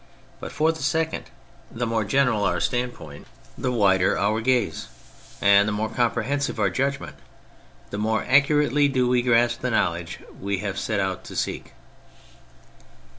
But for the second, the more general our standpoint, the wider THE CATHOLIC CHURCH 217 our gaze, and the more comprehensive our judgment, the more accurately do we grasp the knowledge w^e have set out to seek.